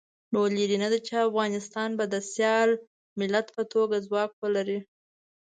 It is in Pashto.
نو لرې نه ده چې افغانستان به د سیال ملت په توګه ځواک ولري.